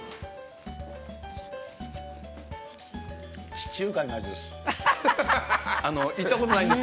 地中海の味です。